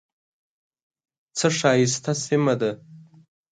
څه ښایسته سیمه ده .